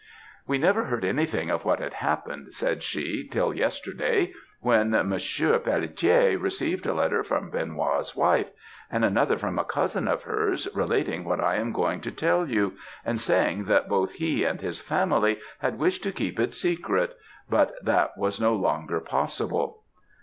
"'We never heard anything of what had happened,' said she, till yesterday, when Mons. Pelletier received a letter from Benoît's wife, and another from a cousin of ours, relating what I am going to tell you, and saying that both he and his family had wished to keep it secret; but that was no longer possible.'